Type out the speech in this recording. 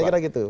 saya kira gitu